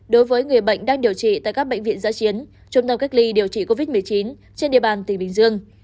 đối với người bệnh đang điều trị tại các bệnh viện giã chiến trung tâm cách ly điều trị covid một mươi chín trên địa bàn tỉnh bình dương